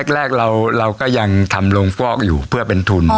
แรกเราก็ยังทำโรงฟอกอยู่เพื่อเป็นทุน